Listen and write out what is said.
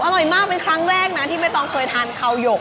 อร่อยมากเป็นครั้งแรกนะที่ไม่ต้องเคยทานเข่าหยก